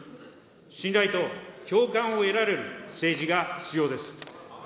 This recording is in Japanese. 信頼と共感を得られる政治が必要です。